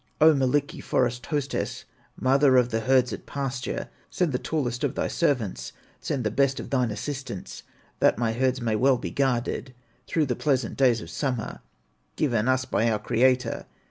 "O Millikki, forest hostess, Mother of the herds at pasture, Send the tallest of thy servants, Send the best of thine assistants, That my herds may well be guarded, Through the pleasant days of summer, Given us by our Creator.